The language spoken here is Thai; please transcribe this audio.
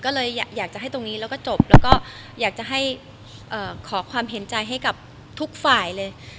ก็เลยอยากจะให้ตรงนี้แล้วก็จบแล้วก็อยากจะให้ขอความเห็นใจให้กับทุกฝ่ายเลย